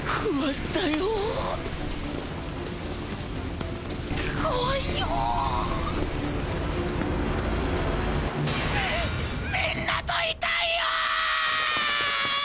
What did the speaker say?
みっ皆といたいよ！